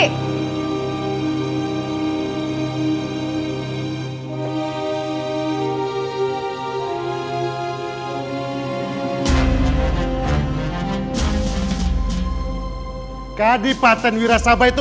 kau akan bisa mengutuk diakaliku